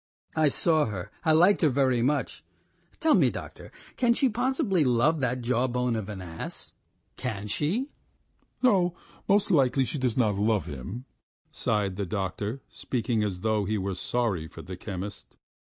"I saw her. I liked her very much. ... Tell me, doctor, can she possibly love that jawbone of an ass? Can she?" "No, most likely she does not love him," sighed the doctor, speaking as though he were sorry for the chemist.